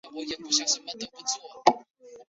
主要经营保安数据探测业务。